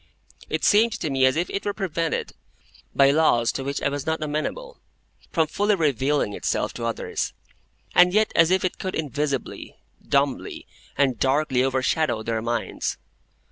It seemed to me as if it were prevented, by laws to which I was not amenable, from fully revealing itself to others, and yet as if it could invisibly, dumbly, and darkly overshadow their minds.